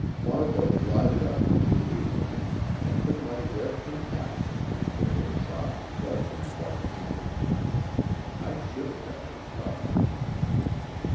Margot glided up to me immediately, and took my whip and hat from me with her soft, velvety white hands. I shivered at her touch.